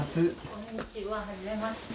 こんにちははじめまして。